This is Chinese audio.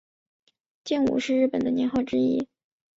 建武是日本的年号之一。